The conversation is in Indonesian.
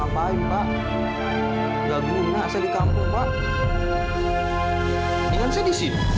biar saya di sini